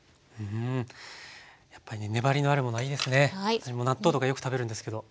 私も納豆とかよく食べるんですけど。